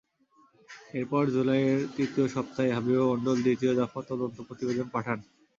এরপর জুলাইয়ের তৃতীয় সপ্তাহে হাবিবা মণ্ডল দ্বিতীয় দফা তদন্ত প্রতিবেদন পাঠান।